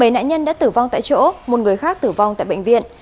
bảy nạn nhân đã tử vong tại chỗ một người khác tử vong tại bệnh viện